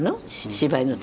芝居の時に。